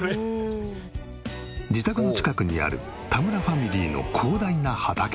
自宅の近くにある田村ファミリーの広大な畑。